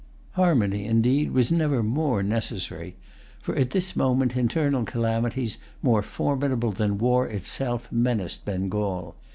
Harmony, indeed, was never more necessary; for at this moment internal calamities, more formidable than war itself, menaced Bengal.